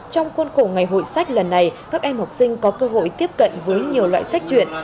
trong khuôn khổ ngày hội sách lần này các em học sinh có cơ hội tiếp cận với nhiều loại sách chuyện